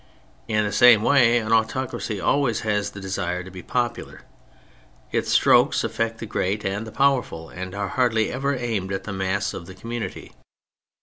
In the same way an autocracy always has the desire to be popular. Its strokes affect the great and the powerful, and are hardly ever aimed at the mass of the communitv.